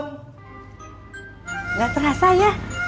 tidak terasa ya